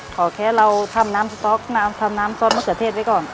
ขอแค่เราทำน้ำสต๊อกน้ำทำน้ำซอสมะเขือเทศไว้ก่อน